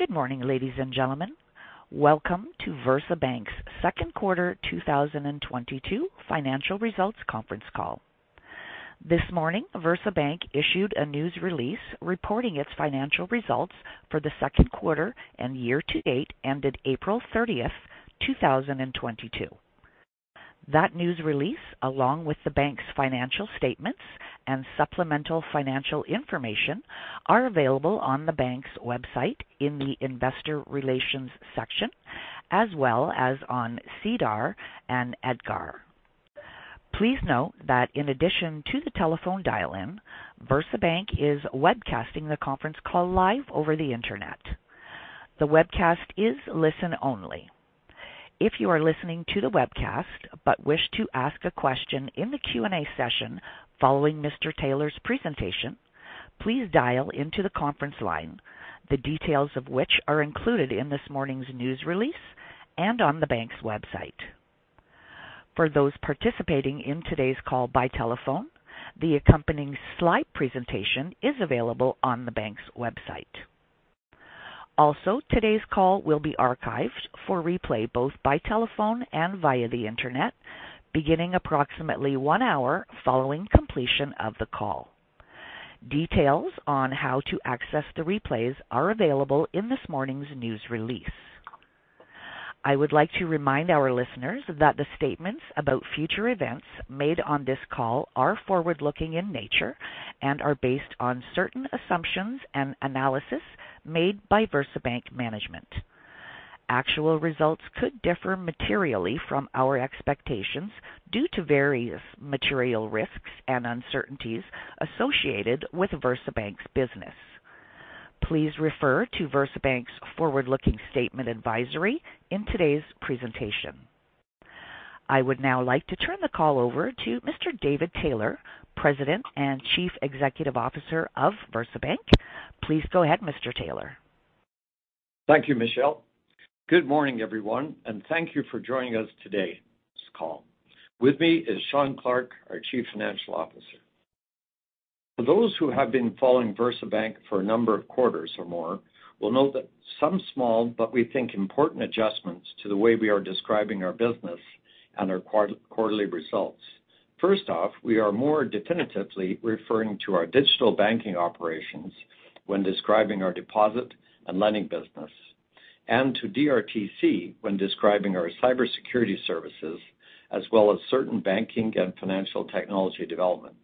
Good morning, ladies and gentlemen. Welcome to VersaBank's second quarter 2022 financial results conference call. This morning, VersaBank issued a news release reporting its financial results for the second quarter and year to date ended April 30, 2022. That news release, along with the bank's financial statements and supplemental financial information, are available on the bank's website in the investor relations section, as well as on SEDAR and EDGAR. Please note that in addition to the telephone dial-in, VersaBank is webcasting the conference call live over the Internet. The webcast is listen only. If you are listening to the webcast but wish to ask a question in the Q&A session following Mr. Taylor's presentation, please dial into the conference line, the details of which are included in this morning's news release and on the bank's website. For those participating in today's call by telephone, the accompanying slide presentation is available on the bank's website. Also, today's call will be archived for replay, both by telephone and via the Internet, beginning approximately one hour following completion of the call. Details on how to access the replays are available in this morning's news release. I would like to remind our listeners that the statements about future events made on this call are forward-looking in nature and are based on certain assumptions and analysis made by VersaBank management. Actual results could differ materially from our expectations due to various material risks and uncertainties associated with VersaBank's business. Please refer to VersaBank's forward-looking statement advisory in today's presentation. I would now like to turn the call over to Mr. David Taylor, President and Chief Executive Officer of VersaBank. Please go ahead, Mr. Taylor. Thank you, Michelle. Good morning, everyone, and thank you for joining us today on this call. With me is Shawn Clarke, our Chief Financial Officer. For those who have been following VersaBank for a number of quarters or more will note that some small, but we think important adjustments to the way we are describing our business and our quarterly results. First off, we are more definitively referring to our digital banking operations when describing our deposit and lending business, and to DRTC when describing our cybersecurity services, as well as certain banking and financial technology development.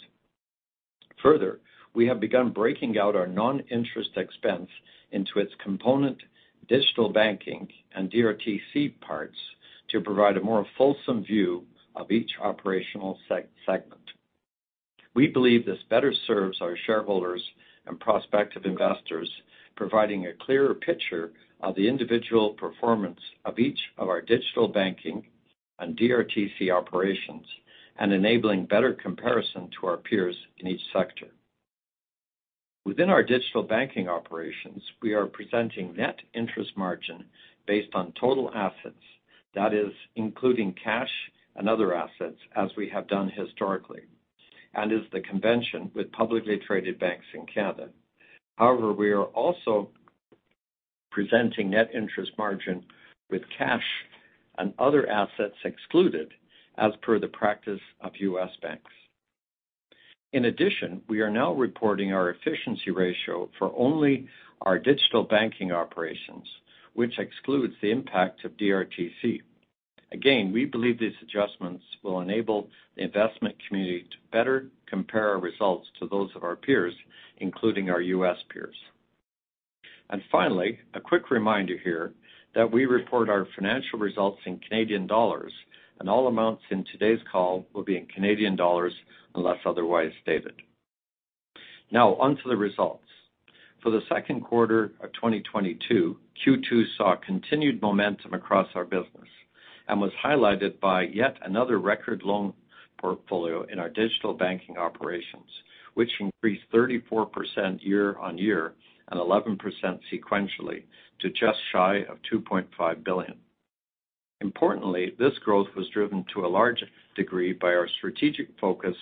Further, we have begun breaking out our non-interest expense into its component digital banking and DRTC parts to provide a more fulsome view of each operational segment. We believe this better serves our shareholders and prospective investors, providing a clearer picture of the individual performance of each of our digital banking and DRTC operations and enabling better comparison to our peers in each sector. Within our digital banking operations, we are presenting net interest margin based on total assets. That is including cash and other assets as we have done historically and is the convention with publicly traded banks in Canada. However, we are also presenting net interest margin with cash and other assets excluded as per the practice of U.S. banks. In addition, we are now reporting our efficiency ratio for only our digital banking operations, which excludes the impact of DRTC. Again, we believe these adjustments will enable the investment community to better compare our results to those of our peers, including our U.S. peers. Finally, a quick reminder here that we report our financial results in Canadian dollars, and all amounts in today's call will be in Canadian dollars unless otherwise stated. Now on to the results. For the second quarter of 2022, Q2 saw continued momentum across our business and was highlighted by yet another record loan portfolio in our digital banking operations, which increased 34% year-on-year and 11% sequentially to just shy of 2.5 billion. Importantly, this growth was driven to a large degree by our strategic focus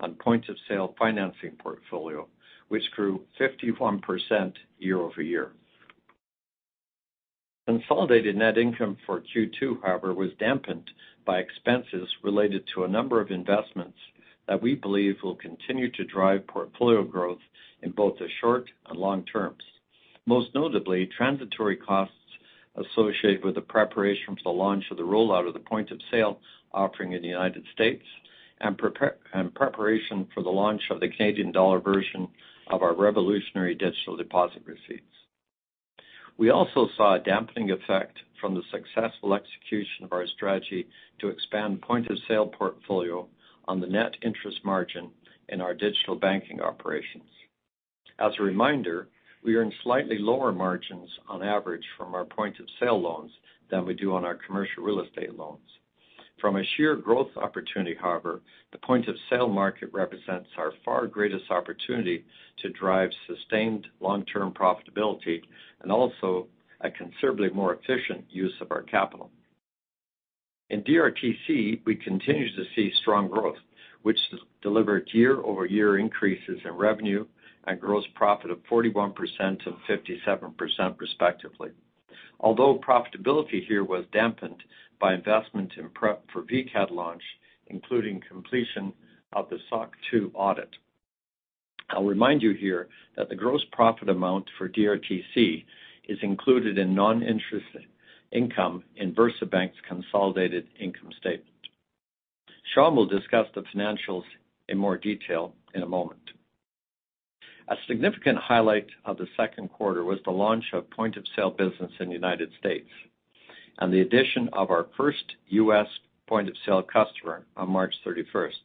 on point-of-sale financing portfolio, which grew 51% year-over-year. Consolidated net income for Q2, however, was dampened by expenses related to a number of investments that we believe will continue to drive portfolio growth in both the short and long terms. Most notably, transitory costs associated with the preparation for the launch of the rollout of the point-of-sale offering in the United States and preparation for the launch of the Canadian dollar version of our revolutionary Digital Deposit Receipts. We also saw a dampening effect from the successful execution of our strategy to expand point-of-sale portfolio on the net interest margin in our digital banking operations. As a reminder, we earn slightly lower margins on average from our point-of-sale loans than we do on our commercial real estate loans. From a sheer growth opportunity, however, the point-of-sale market represents our far greatest opportunity to drive sustained long-term profitability and also a considerably more efficient use of our capital. In DRTC, we continue to see strong growth, which delivered year-over-year increases in revenue and gross profit of 41% and 57% respectively. Although profitability here was dampened by investment in prep for VCAD launch, including completion of the SOC 2 audit. I'll remind you here that the gross profit amount for DRTC is included in non-interest income in VersaBank's consolidated income statement. Sean will discuss the financials in more detail in a moment. A significant highlight of the second quarter was the launch of point of sale business in the United States and the addition of our first US point of sale customer on March thirty-first.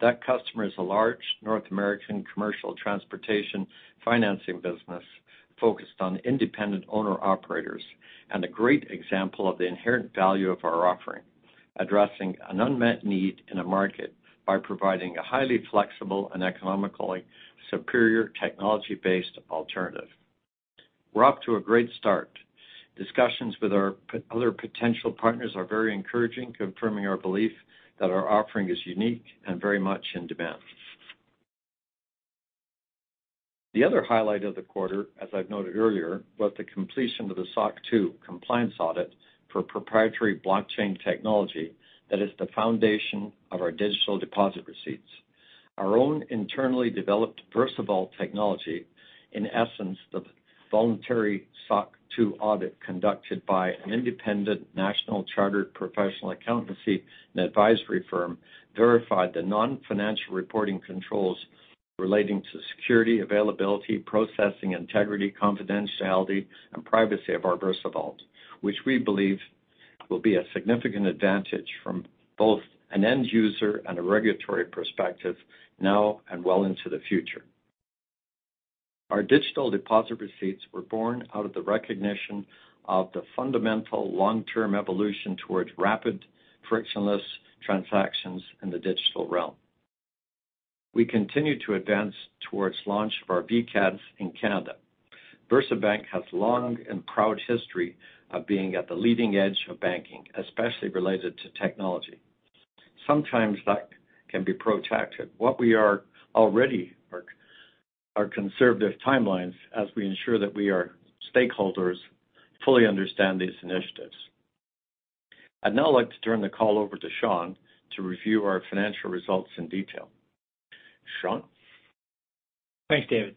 That customer is a large North American commercial transportation financing business focused on independent owner-operators and a great example of the inherent value of our offering, addressing an unmet need in a market by providing a highly flexible and economically superior technology-based alternative. We're off to a great start. Discussions with our other potential partners are very encouraging, confirming our belief that our offering is unique and very much in demand. The other highlight of the quarter, as I've noted earlier, was the completion of the SOC 2 compliance audit for proprietary blockchain technology that is the foundation of our Digital Deposit Receipts. Our own internally developed VersaVault technology, in essence, the voluntary SOC 2 audit conducted by an independent national chartered professional accountancy and advisory firm verified the non-financial reporting controls relating to security, availability, processing integrity, confidentiality, and privacy of our VersaVault. Which we believe will be a significant advantage from both an end user and a regulatory perspective now and well into the future. Our Digital Deposit Receipts were born out of the recognition of the fundamental long-term evolution towards rapid frictionless transactions in the digital realm. We continue to advance toward launch of our VCADs in Canada. VersaBank has long and proud history of being at the leading edge of banking, especially related to technology. Sometimes that can be protracted. What we are already are conservative timelines as we ensure that our stakeholders fully understand these initiatives. I'd now like to turn the call over to Sean to review our financial results in detail. Sean. Thanks, David.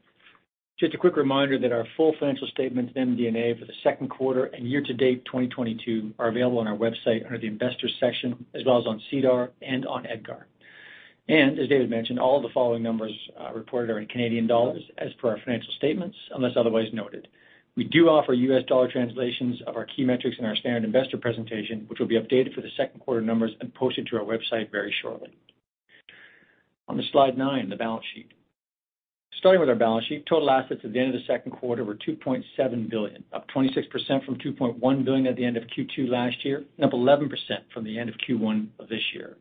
Just a quick reminder that our full financial statements and MD&A for the second quarter and year-to-date 2022 are available on our website under the Investors section as well as on SEDAR and on EDGAR. As David mentioned, all the following numbers reported are in Canadian dollars as per our financial statements unless otherwise noted. We do offer US dollar translations of our key metrics in our standard investor presentation, which will be updated for the second quarter numbers and posted to our website very shortly. On to slide 9, the balance sheet. Starting with our balance sheet, total assets at the end of the second quarter were 2.7 billion, up 26% from 2.1 billion at the end of Q2 last year, and up 11% from the end of Q1 of this year.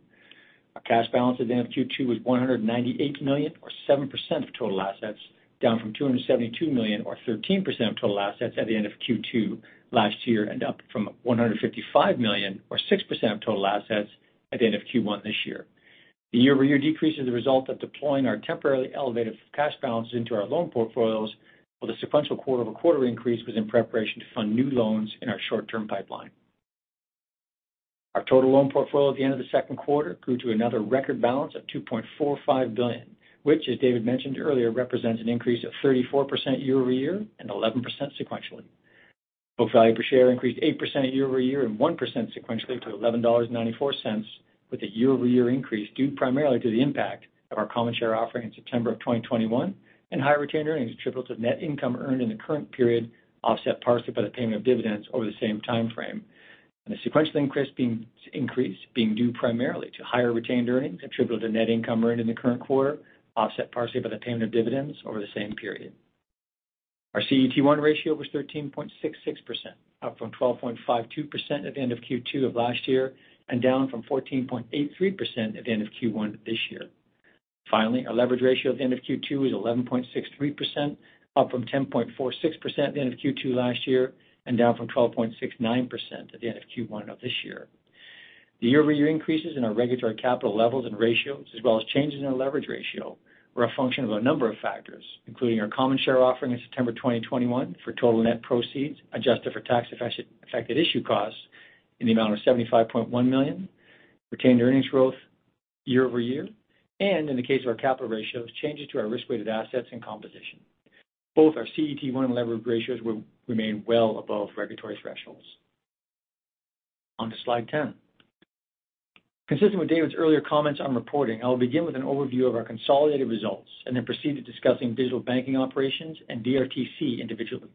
Our cash balance at the end of Q2 was 198 million or 7% of total assets, down from 272 million or 13% of total assets at the end of Q2 last year and up from 155 million or 6% of total assets at the end of Q1 this year. The year-over-year decrease is a result of deploying our temporarily elevated cash balances into our loan portfolios, while the sequential quarter-over-quarter increase was in preparation to fund new loans in our short-term pipeline. Our total loan portfolio at the end of the second quarter grew to another record balance of 2.45 billion, which, as David mentioned earlier, represents an increase of 34% year-over-year and 11% sequentially. Book value per share increased 8% year-over-year and 1% sequentially to 11.94 dollars, with the year-over-year increase due primarily to the impact of our common share offering in September of 2021 and higher retained earnings attributable to net income earned in the current period, offset partially by the payment of dividends over the same time frame. The sequential increase due primarily to higher retained earnings attributable to net income earned in the current quarter, offset partially by the payment of dividends over the same period. Our CET1 ratio was 13.66%, up from 12.52% at the end of Q2 of last year and down from 14.83% at the end of Q1 this year. Finally, our leverage ratio at the end of Q2 was 11.63%, up from 10.46% at the end of Q2 last year and down from 12.69% at the end of Q1 of this year. The year-over-year increases in our regulatory capital levels and ratios as well as changes in our leverage ratio were a function of a number of factors, including our common share offering in September 2021 for total net proceeds, adjusted for tax affected issue costs in the amount of 75.1 million, retained earnings growth year-over-year, and in the case of our capital ratios, changes to our risk-weighted assets and composition. Both our CET1 and leverage ratios remain well above regulatory thresholds. On to slide 10. Consistent with David's earlier comments on reporting, I will begin with an overview of our consolidated results and then proceed to discussing digital banking operations and DRTC individually.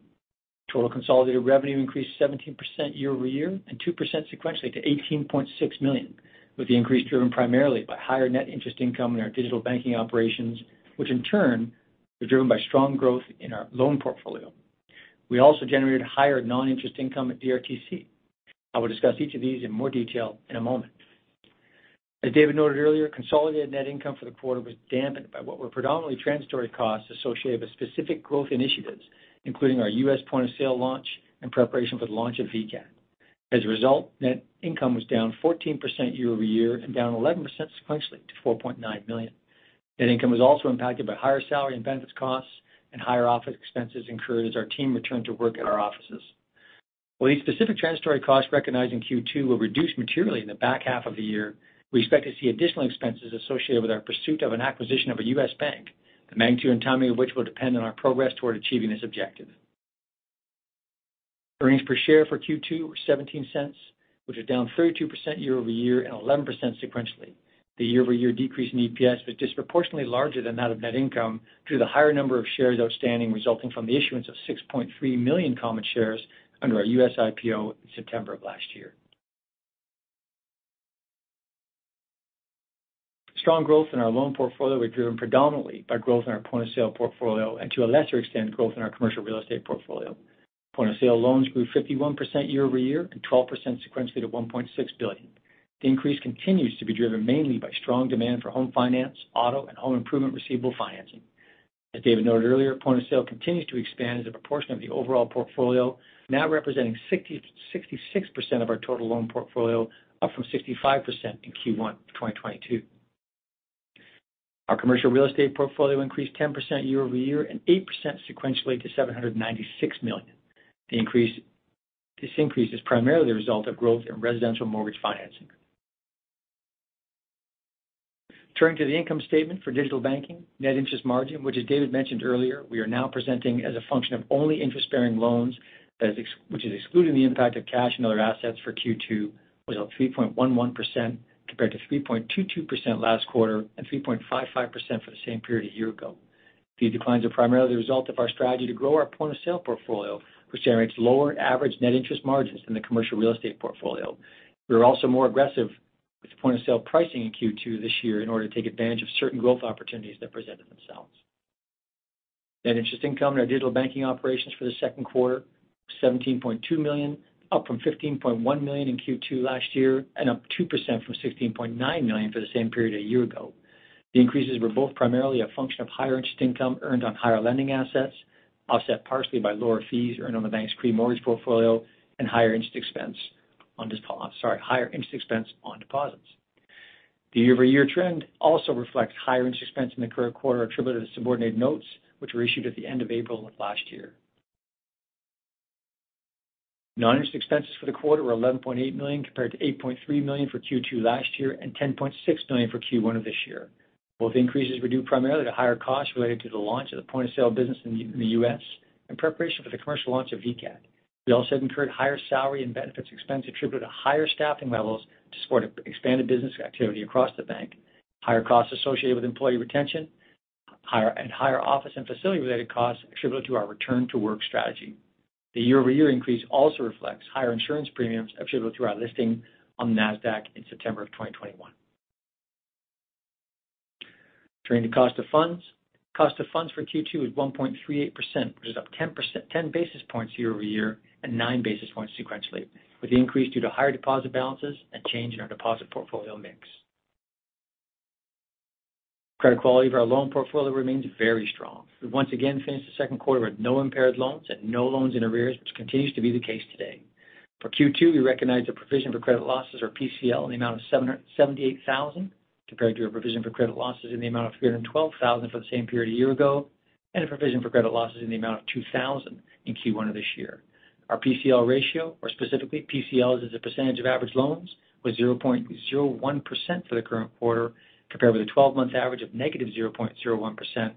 Total consolidated revenue increased 17% year-over-year and 2% sequentially to 18.6 million, with the increase driven primarily by higher net interest income in our digital banking operations, which in turn was driven by strong growth in our loan portfolio. We also generated higher non-interest income at DRTC. I will discuss each of these in more detail in a moment. As David noted earlier, consolidated net income for the quarter was dampened by what were predominantly transitory costs associated with specific growth initiatives, including our U.S. point-of-sale launch and preparation for the launch of VUSD. As a result, net income was down 14% year-over-year and down 11% sequentially to 4.9 million. Net income was also impacted by higher salary and benefits costs and higher office expenses incurred as our team returned to work at our offices. While these specific transitory costs recognized in Q2 will reduce materially in the back half of the year, we expect to see additional expenses associated with our pursuit of an acquisition of a US bank, the magnitude and timing of which will depend on our progress toward achieving this objective. Earnings per share for Q2 were 0.17, which is down 32% year-over-year and 11% sequentially. The year-over-year decrease in EPS was disproportionately larger than that of net income due to the higher number of shares outstanding resulting from the issuance of 6.3 million common shares under our US IPO in September of last year. Strong growth in our loan portfolio was driven predominantly by growth in our point-of-sale portfolio and, to a lesser extent, growth in our commercial real estate portfolio. Point-of-sale loans grew 51% year-over-year and 12% sequentially to 1.6 billion. The increase continues to be driven mainly by strong demand for home finance, auto, and home improvement receivable financing. As David noted earlier, point-of-sale continues to expand as a proportion of the overall portfolio, now representing 66% of our total loan portfolio, up from 65% in Q1 of 2022. Our commercial real estate portfolio increased 10% year-over-year and 8% sequentially to 796 million. The increase is primarily the result of growth in residential mortgage financing. Turning to the income statement for digital banking, net interest margin, which, as David mentioned earlier, we are now presenting as a function of only interest-bearing loans, which is excluding the impact of cash and other assets for Q2, was at 3.11% compared to 3.22% last quarter and 3.55% for the same period a year ago. These declines are primarily the result of our strategy to grow our point-of-sale portfolio, which generates lower average net interest margins than the commercial real estate portfolio. We were also more aggressive with point-of-sale pricing in Q2 this year in order to take advantage of certain growth opportunities that presented themselves. Net interest income in our digital banking operations for the second quarter, 17.2 million, up from 15.1 million in Q2 last year and up 2% from 16.9 million for the same period a year ago. The increases were both primarily a function of higher interest income earned on higher lending assets, offset partially by lower fees earned on the bank's pre-mortgage portfolio and higher interest expense on deposits. The year-over-year trend also reflects higher interest expense in the current quarter attributed to subordinated notes, which were issued at the end of April of last year. Non-interest expenses for the quarter were 11.8 million compared to 8.3 million for Q2 last year and 10.6 million for Q1 of this year. Both increases were due primarily to higher costs related to the launch of the point-of-sale business in the U.S. in preparation for the commercial launch of VUSD. We also have incurred higher salary and benefits expense attributed to higher staffing levels to support expanded business activity across the bank, higher costs associated with employee retention, and higher office and facility-related costs attributed to our return to work strategy. The year-over-year increase also reflects higher insurance premiums attributable to our listing on Nasdaq in September 2021. Turning to cost of funds. Cost of funds for Q2 was 1.38%, which is up 10 basis points year-over-year and 9 basis points sequentially, with the increase due to higher deposit balances and change in our deposit portfolio mix. Credit quality of our loan portfolio remains very strong. We've once again finished the second quarter with no impaired loans and no loans in arrears, which continues to be the case today. For Q2, we recognized a provision for credit losses, or PCL, in the amount of 778,000, compared to a provision for credit losses in the amount of 312,000 for the same period a year ago and a provision for credit losses in the amount of 2,000 in Q1 of this year. Our PCL ratio, or specifically PCLs as a percentage of average loans, was 0.01% for the current quarter compared with a twelve-month average of -0.01%,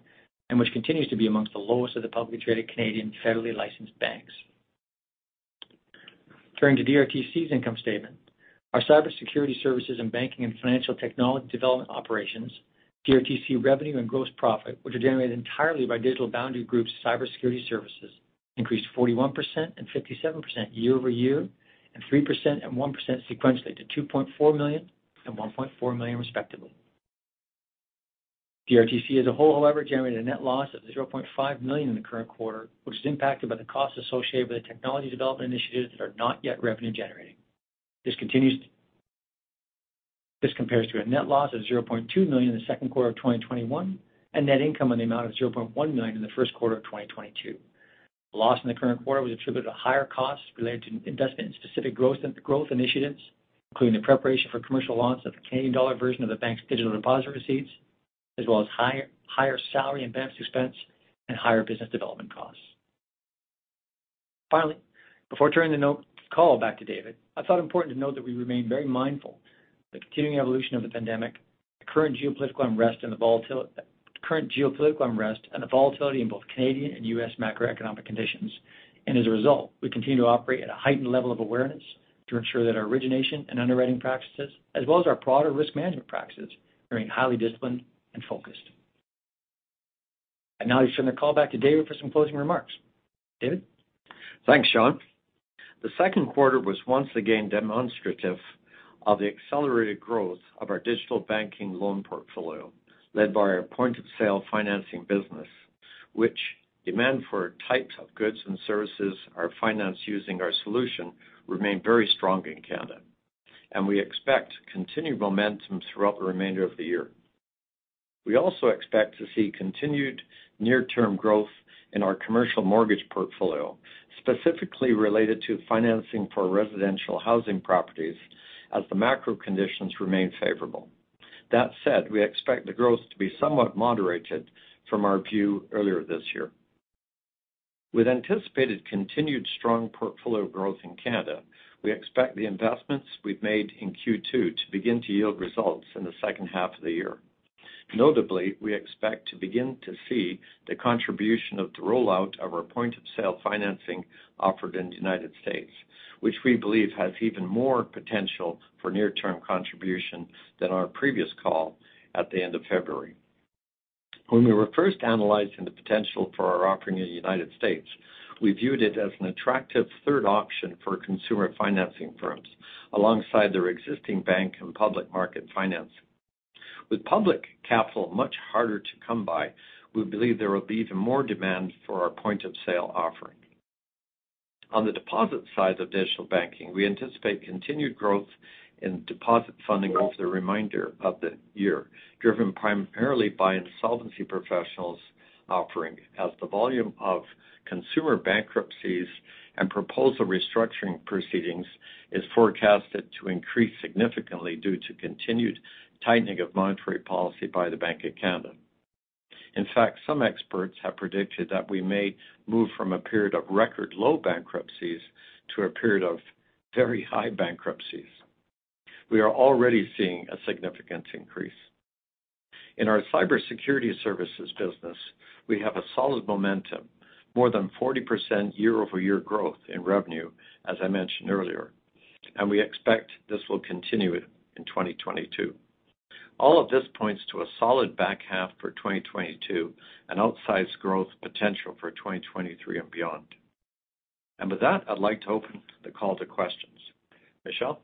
which continues to be amongst the lowest of the publicly traded Canadian federally licensed banks. Turning to DRTC's income statement. Our cybersecurity services and banking and financial technology development operations, DRTC revenue and gross profit, which are generated entirely by Digital Boundary Group's cybersecurity services, increased 41% and 57% year-over-year and 3% and 1% sequentially to 2.4 million and 1.4 million respectively. DRTC as a whole, however, generated a net loss of 0.5 million in the current quarter, which is impacted by the costs associated with the technology development initiatives that are not yet revenue generating. This compares to a net loss of 0.2 million in the second quarter of 2021 and net income in the amount of 0.1 million in the first quarter of 2022. The loss in the current quarter was attributed to higher costs related to investment in specific growth initiatives, including the preparation for commercial launch of the Canadian dollar version of the bank's Digital Deposit Receipts, as well as higher salary and benefits expense and higher business development costs. Finally, before turning the call back to David, I thought it important to note that we remain very mindful of the continuing evolution of the pandemic, the current geopolitical unrest and the volatility in both Canadian and US macroeconomic conditions. As a result, we continue to operate at a heightened level of awareness to ensure that our origination and underwriting practices as well as our broader risk management practices remain highly disciplined and focused. I now return the call back to David for some closing remarks. David? Thanks, Sean. The second quarter was once again demonstrative of the accelerated growth of our digital banking loan portfolio, led by our point-of-sale financing business. While demand for types of goods and services are financed using our solution remain very strong in Canada, and we expect continued momentum throughout the remainder of the year. We also expect to see continued near-term growth in our commercial mortgage portfolio, specifically related to financing for residential housing properties as the macro conditions remain favorable. That said, we expect the growth to be somewhat moderated from our view earlier this year. With anticipated continued strong portfolio growth in Canada, we expect the investments we've made in Q2 to begin to yield results in the second half of the year. Notably, we expect to begin to see the contribution of the rollout of our point-of-sale financing offered in the United States, which we believe has even more potential for near-term contribution than our previous call at the end of February. When we were first analyzing the potential for our offering in the United States, we viewed it as an attractive third option for consumer financing firms alongside their existing bank and public market financing. With public capital much harder to come by, we believe there will be even more demand for our point-of-sale offering. On the deposit side of digital banking, we anticipate continued growth in deposit funding over the remainder of the year, driven primarily by insolvency professionals offering, as the volume of consumer bankruptcies and proposal restructuring proceedings is forecasted to increase significantly due to continued tightening of monetary policy by the Bank of Canada. In fact, some experts have predicted that we may move from a period of record low bankruptcies to a period of very high bankruptcies. We are already seeing a significant increase. In our cybersecurity services business, we have a solid momentum, more than 40% year-over-year growth in revenue, as I mentioned earlier, and we expect this will continue in 2022. All of this points to a solid back half for 2022, an outsized growth potential for 2023 and beyond. With that, I'd like to open the call to questions. Michelle.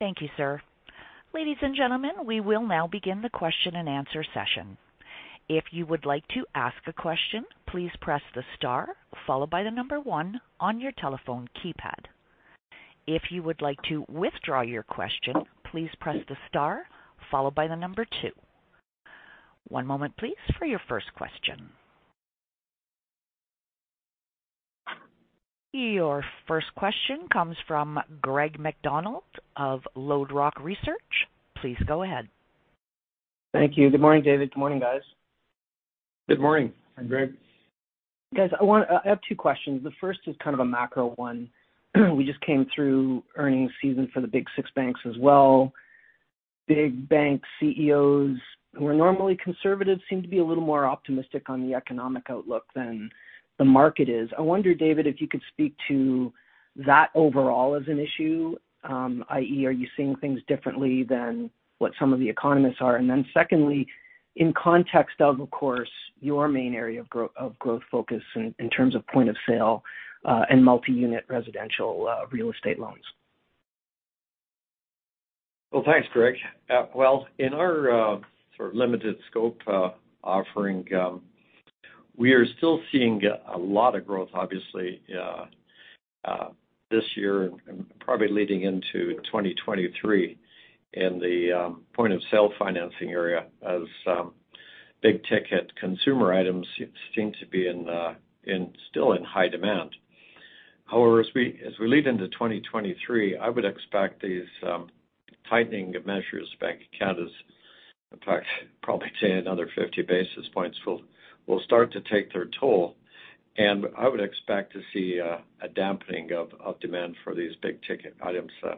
Thank you, sir. Ladies and gentlemen, we will now begin the question-and-answer session. If you would like to ask a question, please press the star followed by 1 on your telephone keypad. If you would like to withdraw your question, please press the star followed by 2. One moment please, for your first question. Your first question comes from Greg MacDonald of LodeRock Research. Please go ahead. Thank you. Good morning, David. Good morning, guys. Good morning. Hi, Greg. Guys, I have two questions. The first is kind of a macro one. We just came through earnings season for the big six banks as well. Big bank CEOs who are normally conservative seem to be a little more optimistic on the economic outlook than the market is. I wonder, David, if you could speak to that overall as an issue, i.e., are you seeing things differently than what some of the economists are? Then secondly, in context of course, your main area of growth focus in terms of point of sale and multi-unit residential real estate loans. Well, thanks, Greg. Well, in our sort of limited scope offering, we are still seeing a lot of growth, obviously, this year and probably leading into 2023 in the point-of-sale financing area as big-ticket consumer items seem to be still in high demand. However, as we lead into 2023, I would expect these tightening measures, Bank of Canada’s, in fact, probably say another 50 basis points will start to take their toll, and I would expect to see a dampening of demand for these big-ticket items. You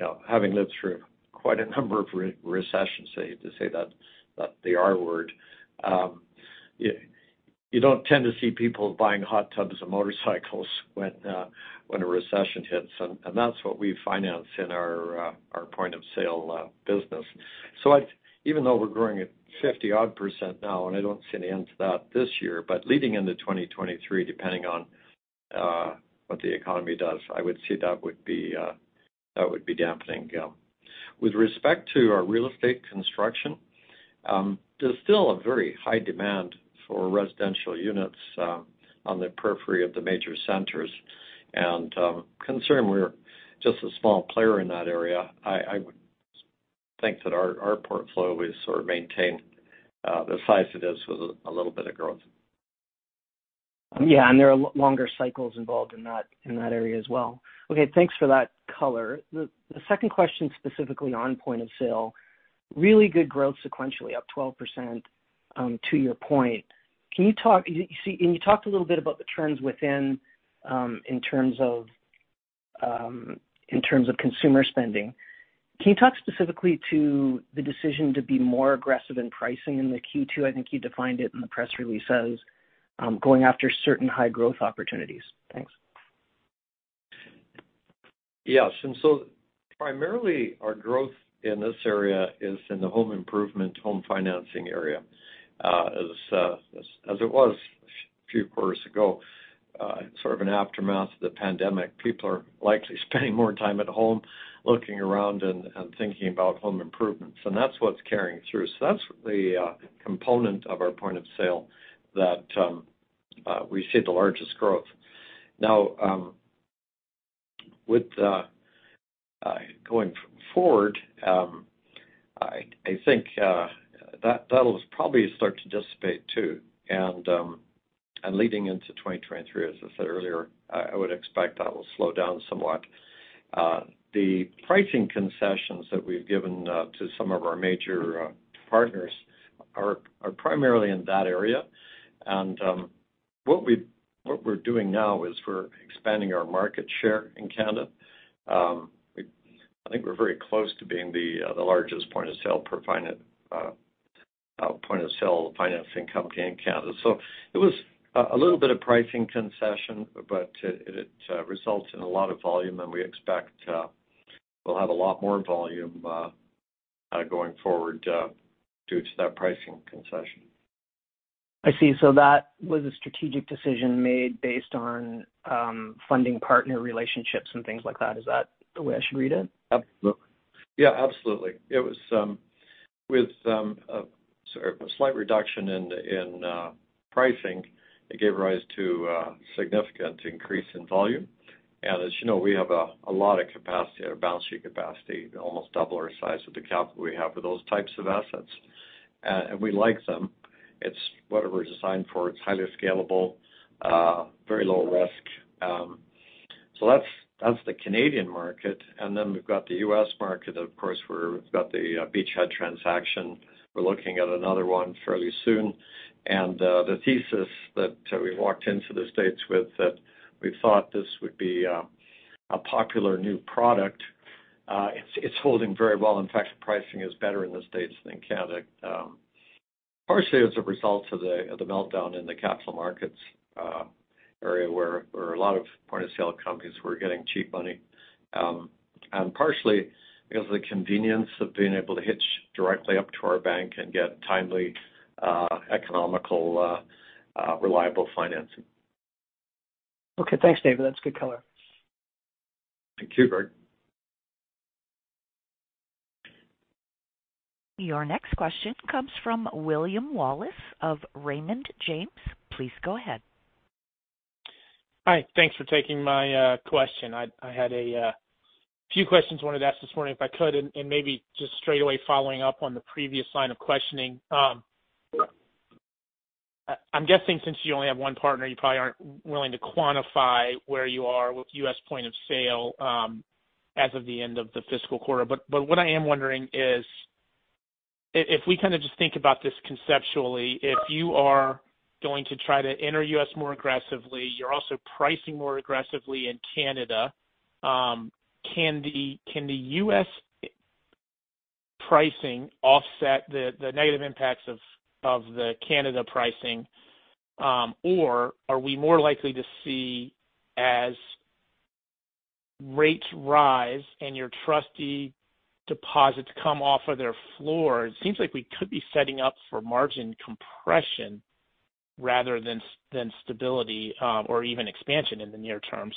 know, having lived through quite a number of recessions, safe to say that the R word, you don't tend to see people buying hot tubs and motorcycles when a recession hits, and that's what we finance in our point-of-sale business. Even though we're growing at 50-odd% now, and I don't see an end to that this year, but leading into 2023, depending on what the economy does, I would see that would be dampening down. With respect to our real estate construction, there's still a very high demand for residential units on the periphery of the major centers. Considering we're just a small player in that area, I would think that our portfolio is sort of maintained the size it is with a little bit of growth. Yeah, there are longer cycles involved in that area as well. Okay, thanks for that color. The second question specifically on point-of-sale, really good growth sequentially, up 12%, to your point. You talked a little bit about the trends within, in terms of consumer spending. Can you talk specifically to the decision to be more aggressive in pricing in the Q2? I think you defined it in the press release as going after certain high-growth opportunities. Thanks. Yes. Primarily our growth in this area is in the home improvement, home financing area, as it was a few quarters ago, sort of an aftermath of the pandemic. People are likely spending more time at home, looking around and thinking about home improvements. That's what's carrying through. That's the component of our point of sale that we see the largest growth. Now, going forward, I think that'll probably start to dissipate too. Leading into 2023, as I said earlier, I would expect that will slow down somewhat. The pricing concessions that we've given to some of our major partners are primarily in that area. What we're doing now is we're expanding our market share in Canada. I think we're very close to being the largest point-of-sale financing company in Canada. It was a little bit of pricing concession, but it results in a lot of volume, and we expect we'll have a lot more volume going forward due to that pricing concession. I see. That was a strategic decision made based on funding partner relationships and things like that. Is that the way I should read it? Absolutely. Yeah, absolutely. It was with a slight reduction in pricing. It gave rise to a significant increase in volume. As you know, we have a lot of capacity, our balance sheet capacity to almost double our size of the capital we have for those types of assets. We like them. It's what we're designed for. It's highly scalable, very low risk. That's the Canadian market. We've got the US market. Of course, we've got the beachhead transaction. We're looking at another one fairly soon. The thesis that we walked into the States with, that we thought this would be a popular new product, it's holding very well. In fact, pricing is better in the States than Canada. Partially as a result of the meltdown in the capital markets area where a lot of point-of-sale companies were getting cheap money. Partially because of the convenience of being able to hitch directly up to our bank and get timely, economical, reliable financing. Okay, thanks, David. That's good color. Thank you, Greg. Your next question comes from William Wallace of Raymond James. Please go ahead. Hi. Thanks for taking my question. I had a few questions I wanted to ask this morning, if I could, and maybe just straight away following up on the previous line of questioning. I'm guessing since you only have one partner, you probably aren't willing to quantify where you are with U.S. point of sale, as of the end of the fiscal quarter. What I am wondering is if we kind of just think about this conceptually, if you are going to try to enter U.S. more aggressively, you're also pricing more aggressively in Canada, can the U.S. pricing offset the negative impacts of the Canada pricing? Are we more likely to see as rates rise and your trustee deposits come off of their floor, it seems like we could be setting up for margin compression rather than stability, or even expansion in the near term.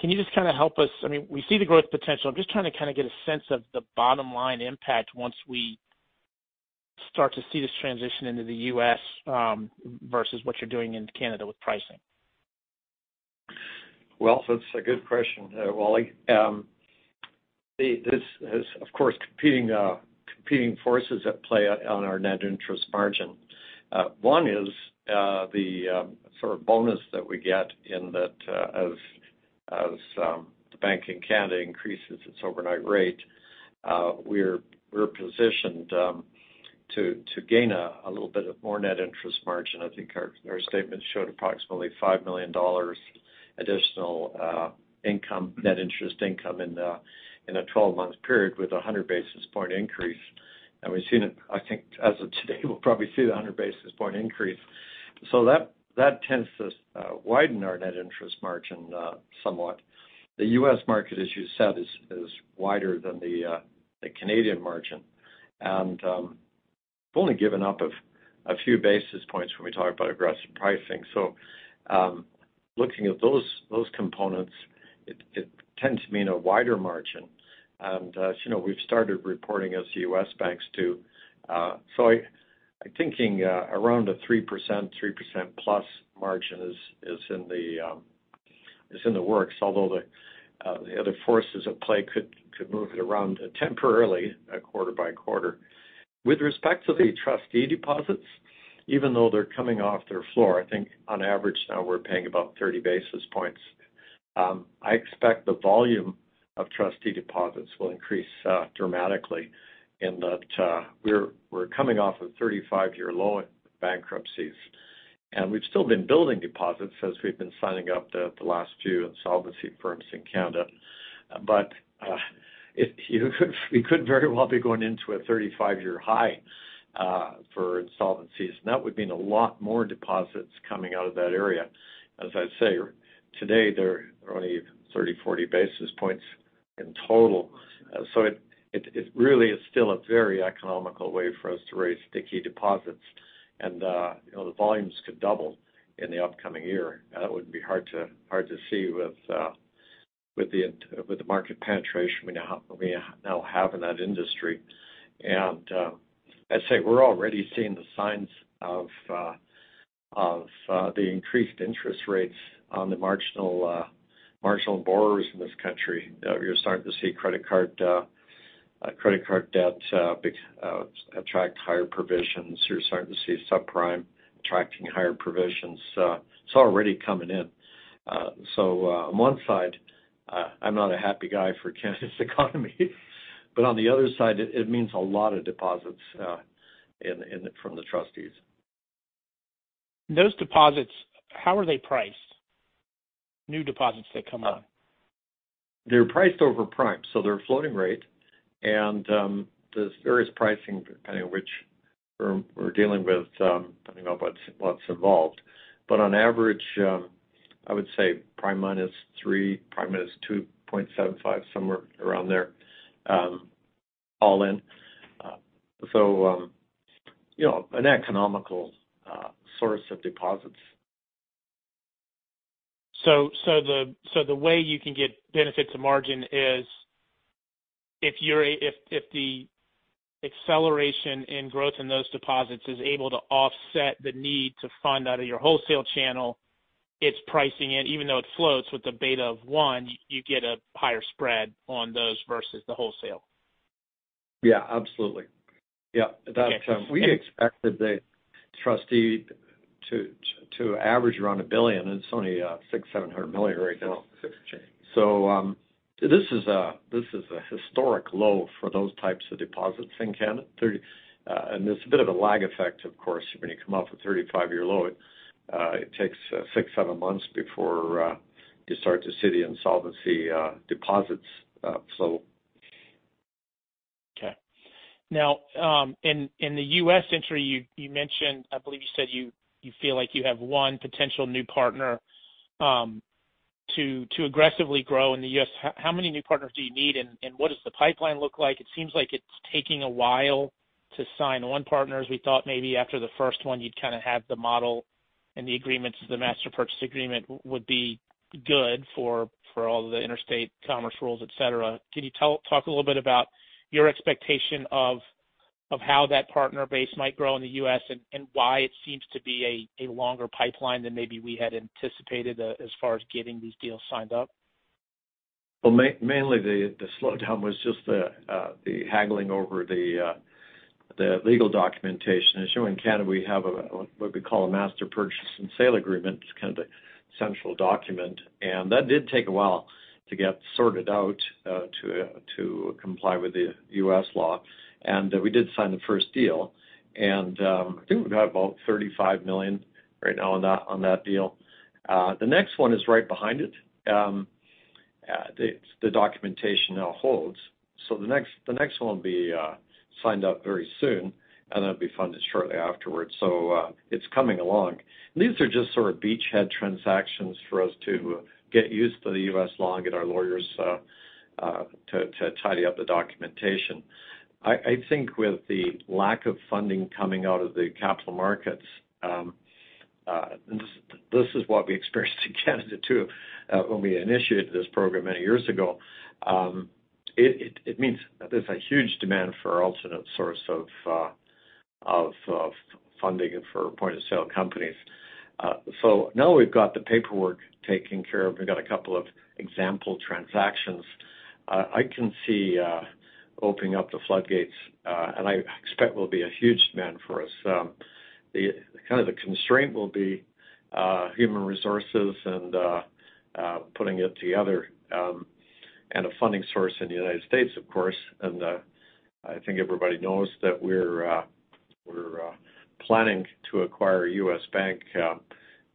Can you just kind of help us? I mean, we see the growth potential. I'm just trying to kind of get a sense of the bottom line impact once we start to see this transition into the U.S., versus what you're doing in Canada with pricing. Well, that's a good question, Wally. This is of course competing forces at play on our net interest margin. One is the sort of bonus that we get in that as the Bank of Canada increases its overnight rate, we're positioned to gain a little bit more net interest margin. I think our statement showed approximately 5 million dollars additional income, net interest income in a 12-month period with a 100 basis point increase. We've seen it, I think as of today, we'll probably see the 100 basis point increase. That tends to widen our net interest margin somewhat. The U.S. market, as you said, is wider than the Canadian margin. Only given up a few basis points when we talk about aggressive pricing. Looking at those components, it tends to mean a wider margin. As you know, we've started reporting as U.S. banks do. I'm thinking around a 3% plus margin is in the works, although the other forces at play could move it around temporarily, quarter by quarter. With respect to the trustee deposits, even though they're coming off their floor, I think on average now we're paying about 30 basis points. I expect the volume of trustee deposits will increase dramatically in that we're coming off a 35-year low in bankruptcies. We've still been building deposits as we've been signing up the last few insolvency firms in Canada. We could very well be going into a 35-year high for insolvencies. That would mean a lot more deposits coming out of that area. As I say, today, they're only 30, 40 basis points in total. It really is still a very economical way for us to raise sticky deposits. You know, the volumes could double in the upcoming year. That would be hard to see with the market penetration we now have in that industry. I'd say we're already seeing the signs of the increased interest rates on the marginal borrowers in this country. You're starting to see credit card debt attract higher provisions. You're starting to see subprime attracting higher provisions. It's already coming in. So, on one side, I'm not a happy guy for Canada's economy. On the other side, it means a lot of deposits from the trustees. Those deposits, how are they priced? New deposits that come on. They're priced over prime, so they're floating rate. There's various pricing depending on which we're dealing with, depending on what's involved. On average, I would say prime minus 3, prime minus 2.75, somewhere around there, all in. You know, an economical source of deposits. The way you can get benefit to margin is if the acceleration in growth in those deposits is able to offset the need to fund out of your wholesale channel. It's pricing it, even though it floats with a beta of one. You get a higher spread on those versus the wholesale. Yeah, absolutely. That's. We expected the trustee to average around 1 billion, and it's only 600 million-700 million right now. This is a historic low for those types of deposits in Canada. There's a bit of a lag effect, of course, when you come off a 35-year low. It takes 6-7 months before you start to see the insolvency deposits flow. Okay. Now, in the U.S. entry, you mentioned, I believe you said you feel like you have one potential new partner to aggressively grow in the U.S. How many new partners do you need, and what does the pipeline look like? It seems like it's taking a while to sign on partners. We thought maybe after the first one, you'd kind of have the model, and the agreements, the master purchase agreement would be good for all the interstate commerce rules, et cetera. Can you talk a little bit about your expectation of how that partner base might grow in the U.S. and why it seems to be a longer pipeline than maybe we had anticipated as far as getting these deals signed up? Well, mainly the slowdown was just the haggling over the legal documentation. As you know, in Canada, we have what we call a master purchase and sale agreement. It's kind of the central document. That did take a while to get sorted out to comply with the US law. We did sign the first deal. I think we've got about $35 million right now on that deal. The next one is right behind it. The documentation now holds. The next one will be signed up very soon, and that'll be funded shortly afterwards. It's coming along. These are just sort of beachhead transactions for us to get used to the US law and get our lawyers to tidy up the documentation. I think with the lack of funding coming out of the capital markets, this is what we experienced in Canada, too, when we initiated this program many years ago. It means that there's a huge demand for alternate source of funding for point-of-sale companies. Now that we've got the paperwork taken care of, we've got a couple of example transactions, I can see opening up the floodgates, and I expect will be a huge demand for us. The kind of constraint will be human resources and putting it together, and a funding source in the United States, of course. I think everybody knows that we're planning to acquire a U.S. bank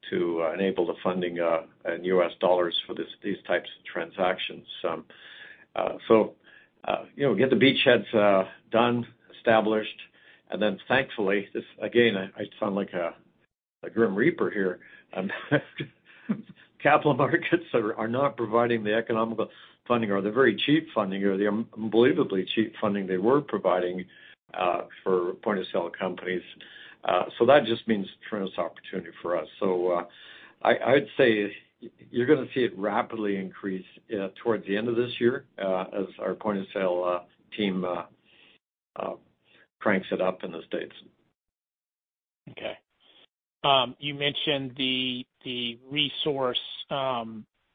to enable the funding in U.S. dollars for these types of transactions. You know, get the beachheads done, established, and then thankfully, this again, I sound like a grim reaper here. Capital markets are not providing the economical funding or the very cheap funding or the unbelievably cheap funding they were providing for point-of-sale companies. That just means tremendous opportunity for us. I'd say you're gonna see it rapidly increase towards the end of this year as our point-of-sale team cranks it up in the States. Okay. You mentioned the resource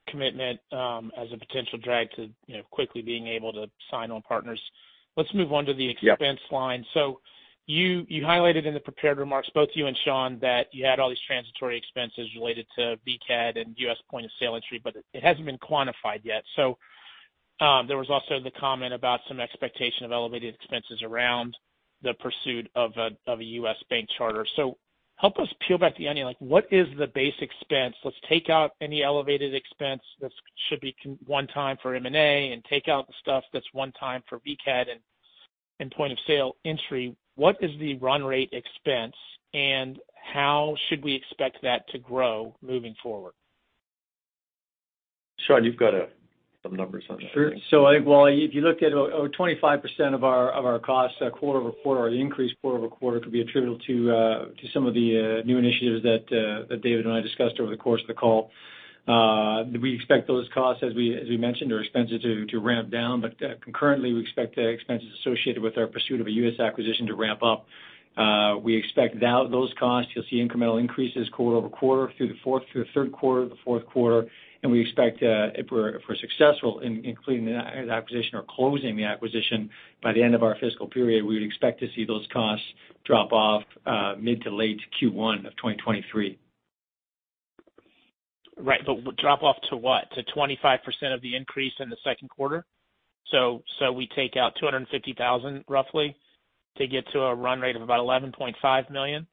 commitment as a potential drag to you know quickly being able to sign on partners. Let's move on to the- Yeah. -expense line. You highlighted in the prepared remarks, both you and Sean, that you had all these transitory expenses related to VCAD and U.S. point-of-sale entry, but it hasn't been quantified yet. There was also the comment about some expectation of elevated expenses around the pursuit of a U.S. bank charter. Help us peel back the onion. Like, what is the base expense? Let's take out any elevated expense that should be one time for M&A and take out the stuff that's one time for VCAD and point of sale entry, what is the run rate expense and how should we expect that to grow moving forward? Shawn, you've got some numbers on that. Sure. I think, Wally, if you looked at 25% of our costs quarter-over-quarter or the increase quarter-over-quarter could be attributable to some of the new initiatives that David and I discussed over the course of the call. We expect those costs, as we mentioned, are expected to ramp down. Concurrently, we expect the expenses associated with our pursuit of a US acquisition to ramp up. We expect those costs, you'll see incremental increases quarter-over-quarter through the third quarter, the fourth quarter. We expect, if we're successful in completing the acquisition or closing the acquisition by the end of our fiscal period, we would expect to see those costs drop off mid to late Q1 of 2023. Right. Drop off to what? To 25% of the increase in the second quarter? We take out 250,000 roughly to get to a run rate of about 11.5 million.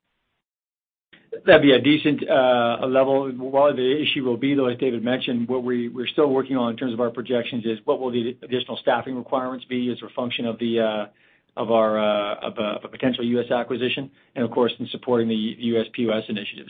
That'd be a decent level. Wally, the issue will be, though, as David mentioned, what we're still working on in terms of our projections is what will the additional staffing requirements be as a function of our potential US acquisition and of course, in supporting the US POS initiative.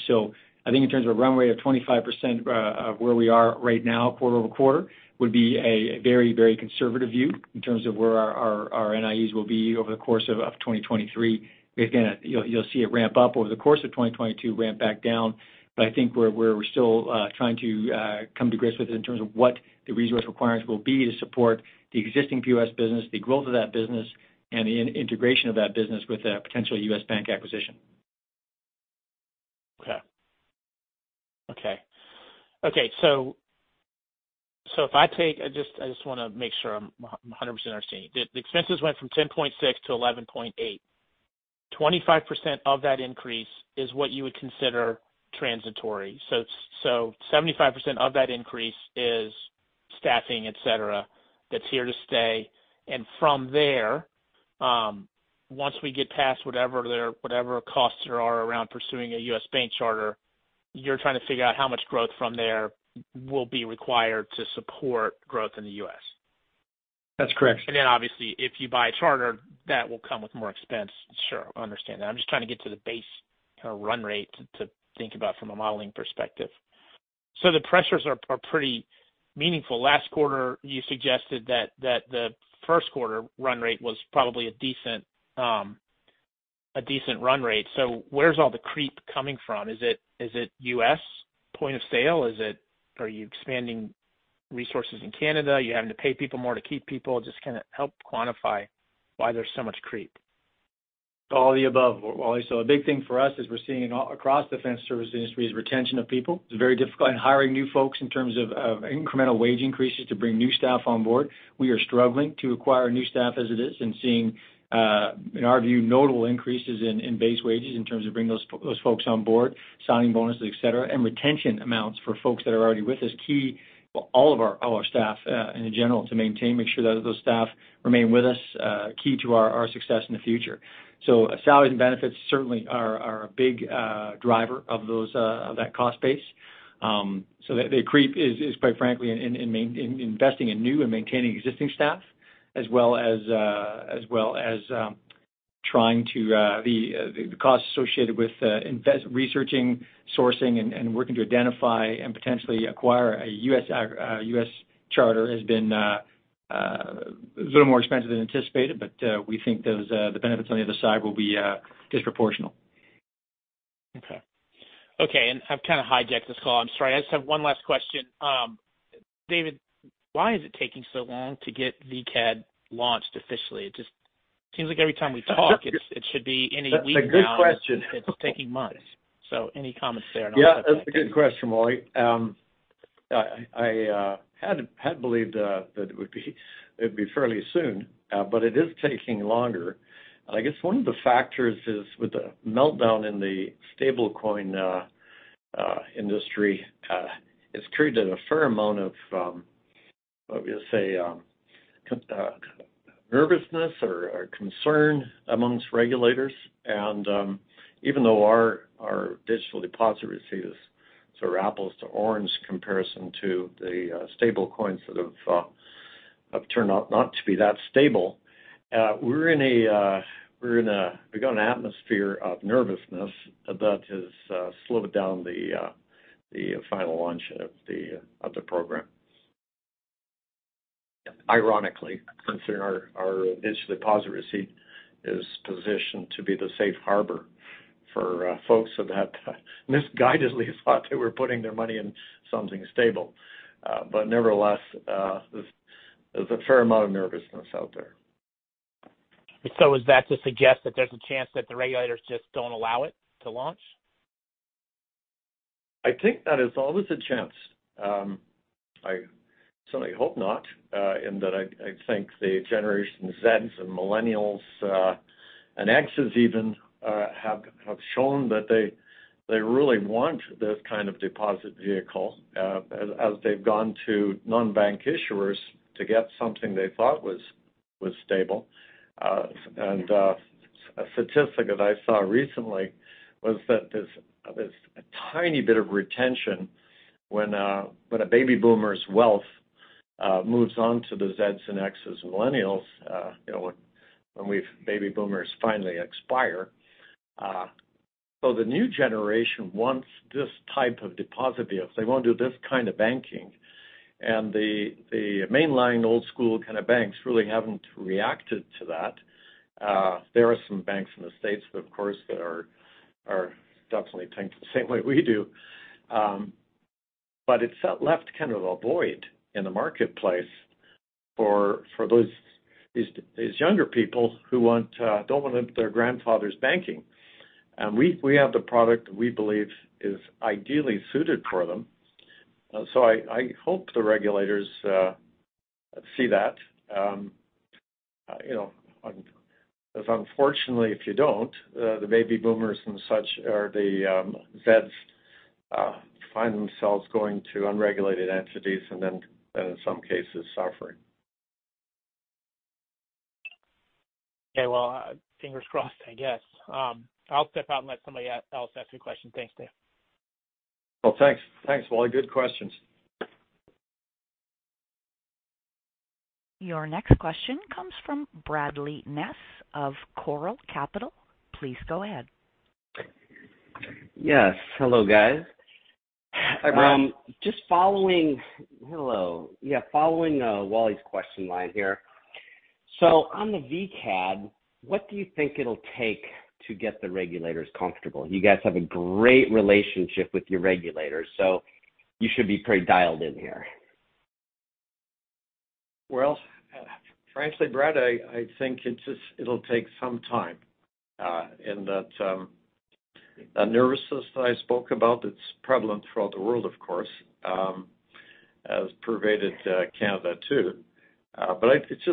I think in terms of a run rate of 25% of where we are right now quarter-over-quarter would be a very, very conservative view in terms of where our NIEs will be over the course of 2023. Again, you'll see it ramp up over the course of 2022, ramp back down. I think we're still trying to come to grips with, in terms of, what the resource requirements will be to support the existing POS business, the growth of that business, and the integration of that business with a potential U.S. bank acquisition. Okay. I just wanna make sure I'm 100% understanding. The expenses went from 10.6-11.8. 25% of that increase is what you would consider transitory. 75% of that increase is staffing, et cetera, that's here to stay. From there, once we get past whatever costs there are around pursuing a U.S. bank charter, you're trying to figure out how much growth from there will be required to support growth in the U.S. That's correct. Obviously, if you buy a charter, that will come with more expense. Sure. Understand that. I'm just trying to get to the base kind of run rate to think about from a modeling perspective. The pressures are pretty meaningful. Last quarter, you suggested that the first quarter run rate was probably a decent run rate. Where's all the creep coming from? Is it U.S. point-of-sale? Are you expanding resources in Canada? Are you having to pay people more to keep people? Just kinda help quantify why there's so much creep. All the above, Wally. A big thing for us as we're seeing across the financial service industry is retention of people. It's very difficult in hiring new folks in terms of incremental wage increases to bring new staff on board. We are struggling to acquire new staff as it is and seeing, in our view, notable increases in base wages in terms of bringing those folks on board, signing bonuses, et cetera. Retention amounts for folks that are already with us, key for all our staff in general to maintain, make sure that those staff remain with us, key to our success in the future. Salaries and benefits certainly are a big driver of that cost base. The creep is quite frankly in investing in new and maintaining existing staff as well as the costs associated with researching, sourcing, and working to identify and potentially acquire a US charter has been a little more expensive than anticipated, but we think the benefits on the other side will be disproportional. Okay. I've kinda hijacked this call. I'm sorry. I just have one last question. David, why is it taking so long to get VCAD launched officially? It just seems like every time we talk, it should be any week now. That's a good question. It's taking months. Any comments there and I'll- Yeah, that's a good question, Wally. I had believed that it would be fairly soon, but it is taking longer. I guess one of the factors is with the meltdown in the stablecoin industry, it's created a fair amount of what we'll say nervousness or concern amongst regulators. Even though our Digital Deposit Receipt is sort of apples to oranges comparison to the stablecoins that have turned out not to be that stable, we're in an atmosphere of nervousness that has slowed down the final launch of the program. Ironically, considering our Digital Deposit Receipt is positioned to be the safe harbor for folks that have misguidedly thought they were putting their money in something stable. Nevertheless, there's a fair amount of nervousness out there. Is that to suggest that there's a chance that the regulators just don't allow it to launch? I think that is always a chance. I certainly hope not, in that I think the Generation Z's and Millennials, and X's even, have shown that they really want this kind of deposit vehicle, as they've gone to non-bank issuers to get something they thought was stable. A statistic that I saw recently was that there's a tiny bit of retention when a baby boomer's wealth moves on to the Z's and X's, millennials, you know, when we baby boomers finally expire. The new generation wants this type of deposit vehicle. They wanna do this kind of banking. The mainline old school kind of banks really haven't reacted to that. There are some banks in the States, of course, that are definitely thinking the same way we do. It's left kind of a void in the marketplace for these younger people who don't want their grandfather's banking. We have the product we believe is ideally suited for them. I hope the regulators see that. You know, unfortunately, if you don't, the baby boomers and such or the Zeds find themselves going to unregulated entities and then in some cases suffering. Okay. Well, fingers crossed, I guess. I'll step out and let somebody else ask you a question. Thanks, Dave. Well, thanks. Thanks, Wally. Good questions. Your next question comes from Bradley Ness of Choral Capital. Please go ahead. Yes. Hello, guys. Hi, Brad. Following Wally's question line here. On the VCAD, what do you think it'll take to get the regulators comfortable? You guys have a great relationship with your regulators, so you should be pretty dialed in here. Well, frankly, Brad, I think it'll take some time in that nervousness that I spoke about. It's prevalent throughout the world, of course, has pervaded Canada too. I think it's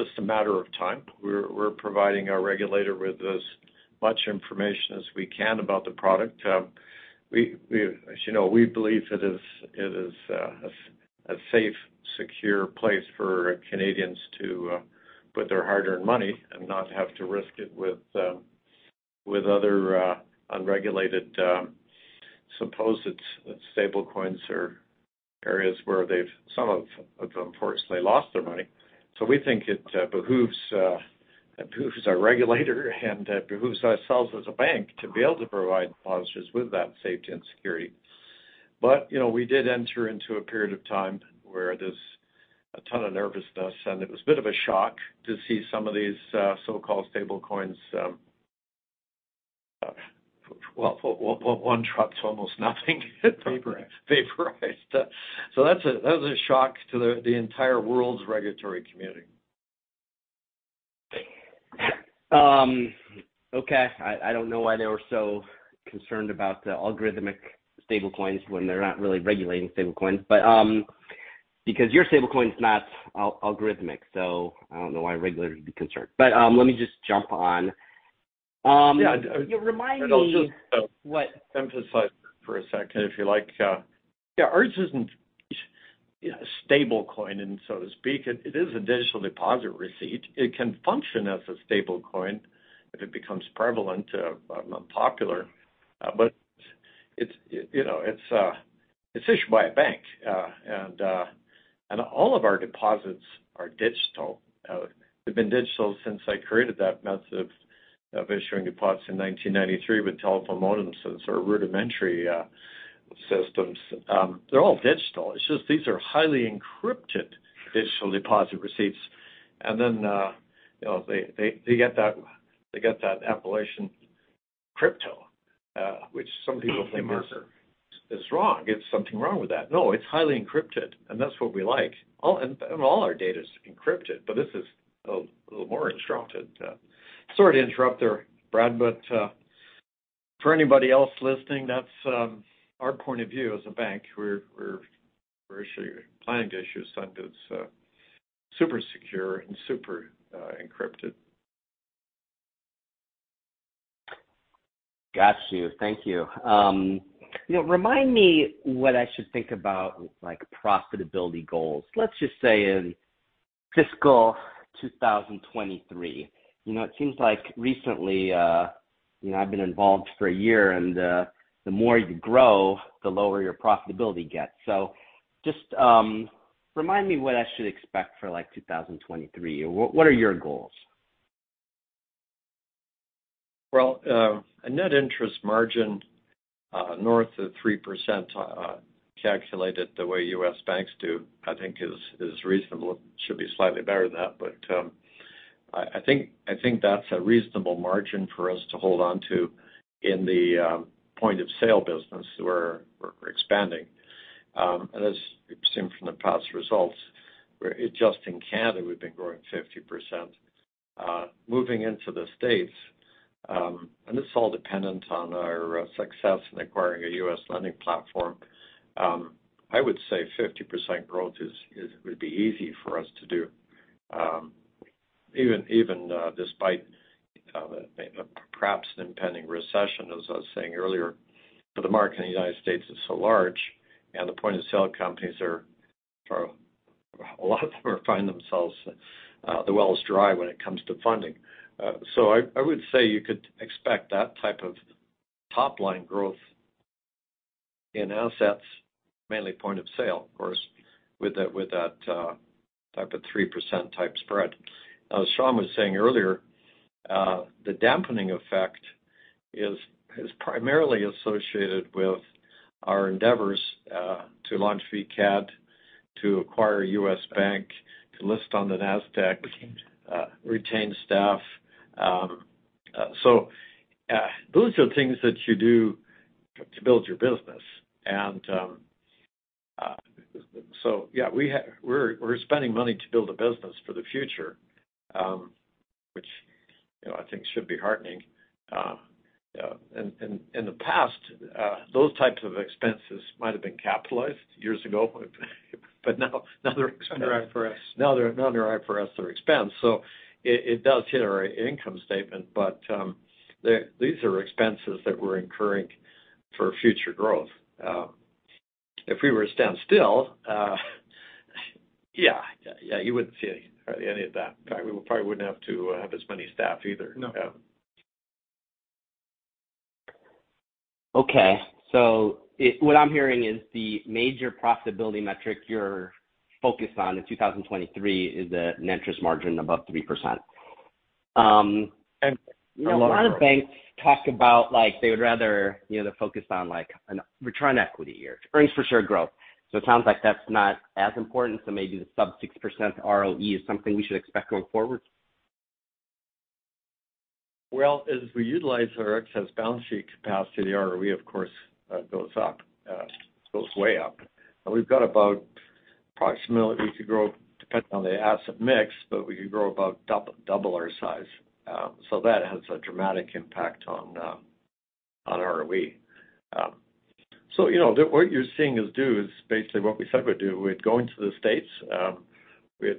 just a matter of time. We're providing our regulator with as much information as we can about the product. We, as you know, believe it is a safe, secure place for Canadians to put their hard-earned money and not have to risk it with other unregulated supposed stablecoins or areas where they've some of unfortunately lost their money. We think it behooves our regulator and behooves ourselves as a bank to be able to provide depositors with that safety and security. you know, we did enter into a period of time where there's a ton of nervousness, and it was a bit of a shock to see some of these so-called stablecoins, well, one dropped to almost nothing. Vaporized. Vaporized. That's a, that was a shock to the entire world's regulatory community. Okay. I don't know why they were so concerned about the algorithmic stablecoins when they're not really regulating stablecoins. Because your stablecoin is not algorithmic, so I don't know why regulators would be concerned. Let me just jump on. Yeah. You remind me. I'll just. What? Let me emphasize for a second, if you like. Yeah, ours isn't stablecoin, so to speak. It is a digital deposit receipt. It can function as a stablecoin if it becomes prevalent, popular. But it's, you know, it's issued by a bank. And all of our deposits are digital. They've been digital since I created that method of issuing deposits in 1993 with telephone modems and sort of rudimentary systems. They're all digital. It's just these are highly encrypted Digital Deposit Receipts. And then, you know, they get that appellation crypto, which some people think is wrong. There's something wrong with that. No, it's highly encrypted, and that's what we like. All our data is encrypted, but this is a little more encrypted. Sorry to interrupt there, Brad, but for anybody else listening, that's our point of view as a bank. We're planning to issue something that's super secure and super encrypted. Got you. Thank you. You know, remind me what I should think about, like, profitability goals, let's just say in fiscal 2023. You know, it seems like recently, you know, I've been involved for a year, and the more you grow, the lower your profitability gets. Just remind me what I should expect for, like, 2023. What are your goals? Well, a net interest margin north of 3%, calculated the way U.S. banks do, I think is reasonable. It should be slightly better than that. I think that's a reasonable margin for us to hold on to in the point-of-sale business we're expanding. As you've seen from the past results, just in Canada, we've been growing 50%. Moving into the States, it's all dependent on our success in acquiring a U.S. lending platform. I would say 50% growth would be easy for us to do, even despite perhaps an impending recession, as I was saying earlier. The market in the United States is so large, and the point-of-sale companies are. For a lot of them find themselves, the well is dry when it comes to funding. So I would say you could expect that type of top-line growth in assets, mainly point-of-sale, of course, with that type of 3% spread. As Sean was saying earlier, the dampening effect is primarily associated with our endeavors to launch VCAD, to acquire U.S. Bank, to list on the Nasdaq. Retain staff. Retain staff. Those are things that you do to build your business and, yeah, we're spending money to build a business for the future, which, you know, I think should be heartening. In the past, those types of expenses might have been capitalized years ago, but now they're ex- Under IFRS. Now under IFRS, they're expenses. It does hit our income statement, but these are expenses that we're incurring for future growth. If we were to stand still, you wouldn't see hardly any of that. In fact, we probably wouldn't have to have as many staff either. No. Yeah. Okay. What I'm hearing is the major profitability metric you're focused on in 2023 is a net interest margin above 3%. A lot of banks talk about like they would rather, you know, focus on like an ROE here, EPS growth. It sounds like that's not as important. Maybe the sub-6% ROE is something we should expect going forward. Well, as we utilize our excess balance sheet capacity, ROE, of course, goes up, goes way up. We've got about approximately we could grow depending on the asset mix, but we could grow about double our size. That has a dramatic impact on ROE. You know, what you're seeing us do is basically what we said we'd do. We'd go into the States,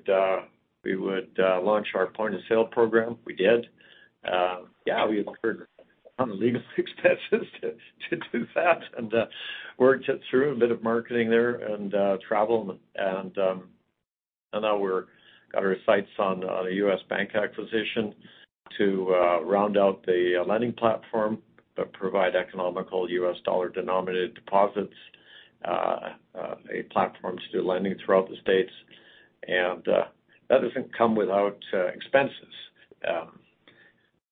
we would launch our point-of-sale program. We did. We incurred legal expenses to do that. We worked it through a bit of marketing there and travel and now we've got our sights on a U.S. bank acquisition to round out the lending platform, but provide economical U.S. dollar-denominated deposits, a platform to do lending throughout the States. that doesn't come without expenses.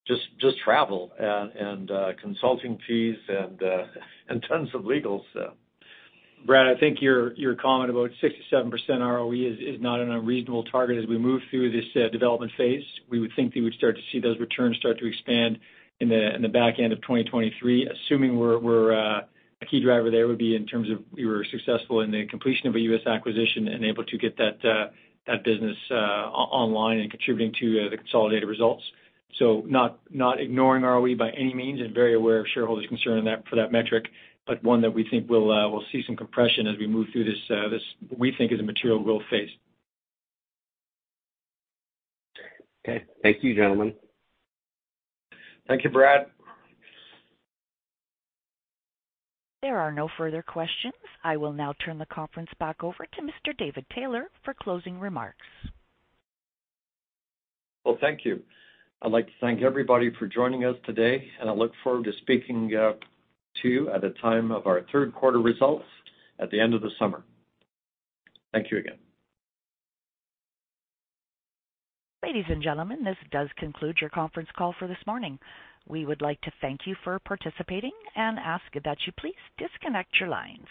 Just travel and consulting fees and tons of legals. Brad, I think your comment about 6%-7% ROE is not an unreasonable target as we move through this development phase. We would think that we'd start to see those returns start to expand in the back end of 2023, assuming a key driver there would be in terms of we were successful in the completion of a U.S. acquisition and able to get that business online and contributing to the consolidated results. Not ignoring ROE by any means and very aware of shareholders' concern in that for that metric, but one that we think we'll see some compression as we move through this we think is a material growth phase. Okay. Thank you, gentlemen. Thank you, Brad. There are no further questions. I will now turn the conference back over to Mr. David Taylor for closing remarks. Well, thank you. I'd like to thank everybody for joining us today, and I look forward to speaking to you at the time of our third quarter results at the end of the summer. Thank you again. Ladies and gentlemen, this does conclude your conference call for this morning. We would like to thank you for participating and ask that you please disconnect your lines.